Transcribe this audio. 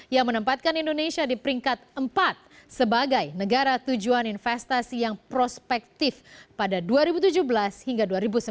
yang menempatkan indonesia di peringkat empat sebagai negara tujuan investasi yang prospektif pada dua ribu tujuh belas hingga dua ribu sembilan belas